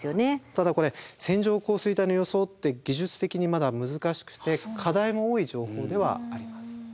ただこれ線状降水帯の予想って技術的にまだ難しくて課題も多い情報ではあります。